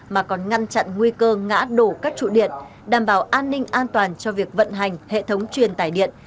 mà còn ngăn chặn nguy cơ ngã đổ các trụ điện đảm bảo an ninh an toàn cho việc vận hành hệ thống truyền tải điện